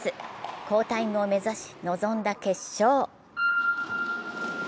好タイムを目指し臨んだ決勝。